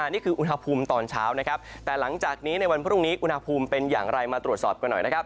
นี่คืออุณหภูมิตอนเช้านะครับแต่หลังจากนี้ในวันพรุ่งนี้อุณหภูมิเป็นอย่างไรมาตรวจสอบกันหน่อยนะครับ